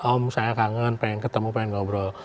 om saya kangen pengen ketemu pengen ngobrol